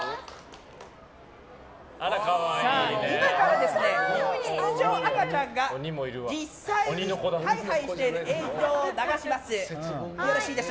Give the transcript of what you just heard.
今から、出場赤ちゃんが実際にハイハイしている映像を流します。